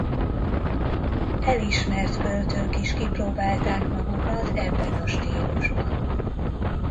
Elismert költők is kipróbálták magukat ebben a stílusban.